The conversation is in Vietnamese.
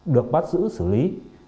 được bắt giữ xử lý